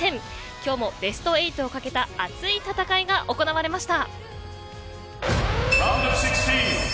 今日もベスト８を懸けた熱い戦いが行われました。